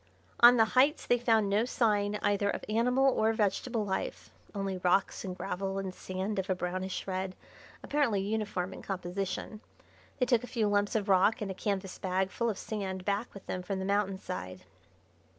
On the heights they found no sign either of animal or vegetable life only rocks and gravel and sand of a brownish red, apparently uniform in composition. They took a few lumps of rock and a canvas bag full of sand back with them from the mountain side.